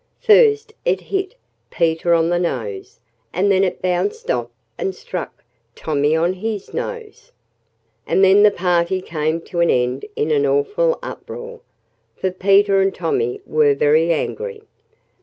First it hit Peter on the nose, and then it bounced off and struck Tommy on his nose. And then the party came to an end in an awful uproar. For Peter and Tommy were very angry.